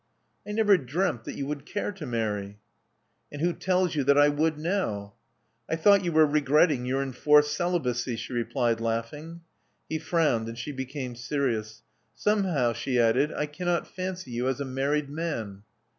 I never dreamt that you would care to marry." And who tells you that I would now?" I thought you were regretting your enforced celibacy,*' she replied, laughing. He frowned; and she became serious. *'Somehow," she added, I can not fancy you as a married man."